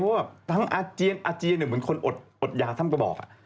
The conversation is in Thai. เพราะว่าทั้งอาเจียนอาเจียนเหมือนคนอดยาท่านก็บอก